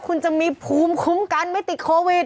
คุณจะมีภูมิคุ้มกันไม่ติดโควิด